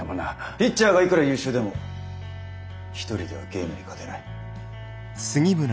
ピッチャーがいくら優秀でも一人ではゲームに勝てない。